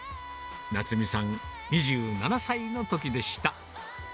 奈津実さん、２７歳のときでした。